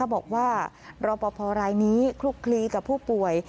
บอกว่ารอปภรายนี้คลุกคลีกับผู้ป่วย